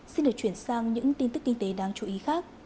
xin được chuyển sang những tin tức kinh tế đáng chú ý khác